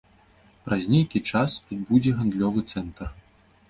Праз нейкі час тут будзе гандлёвы цэнтр.